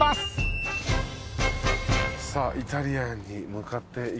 さあイタリアンに向かっていきましょう。